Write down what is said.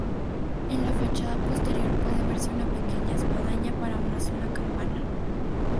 En la fachada posterior puede verse una pequeña espadaña para una sola campana.